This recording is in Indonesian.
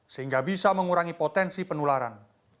sehingga bisa mengurangi potensi penularan